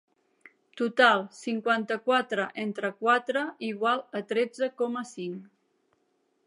Total, cinquanta-quatre entre quatre igual a tretze coma cinc.